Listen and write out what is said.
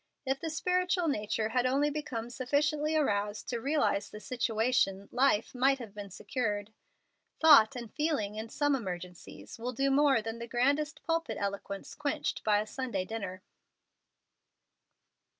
If the spiritual nature had only become sufficiently aroused to realize the situation, life might have been secured. Thought and feeling in some emergencies will do more than the grandest pulpit eloquence quenched by a Sunday dinner.